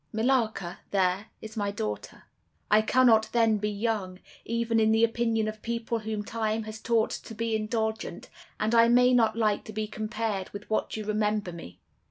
Millarca, there, is my daughter; I cannot then be young, even in the opinion of people whom time has taught to be indulgent, and I may not like to be compared with what you remember me.